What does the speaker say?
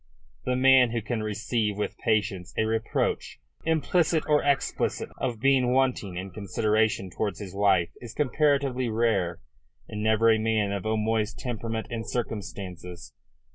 The man who can receive with patience a reproach, implicit or explicit, of being wanting in consideration towards his wife is comparatively rare, and never a man of O'Moy's temperament and circumstances.